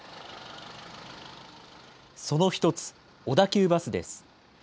その１つ、小田急バスです。